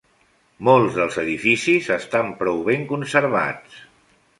Molts dels edificis estan prou ben conservats.